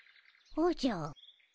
おじゃ。